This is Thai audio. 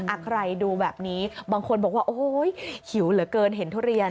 ใครดูแบบนี้บางคนบอกว่าโอ้โหหิวเหลือเกินเห็นทุเรียน